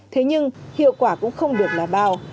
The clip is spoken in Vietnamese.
thế nhưng hiệu quả cũng không được là bao